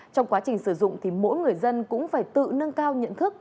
trong quá trình sử dụng thì mỗi người dân cũng phải tự nâng cao nhận thức